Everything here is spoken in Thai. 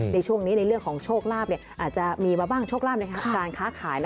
ในช่วงนี้ในเรื่องของโชคลาภอาจจะมีมาบ้างโชคลาภในการค้าขาย